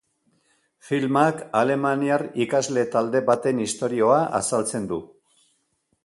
Filmak alemaniar ikasle talde baten istorioa azaltzen du.